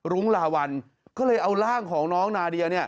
รุ้งลาวัลก็เลยเอาร่างของน้องนาเดียเนี่ย